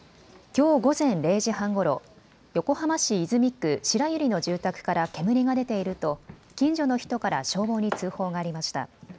きょう午前０時半ごろ、横浜市泉区白百合の住宅から煙が出ていると近所の人から消防に通報がありました。